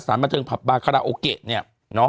สถานบัชการ์บาคาราโอเกะเนี่ย